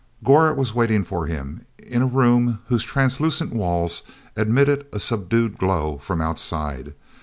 Gor was waiting for him in a room whose translucent walls admitted a subdued glow from outside.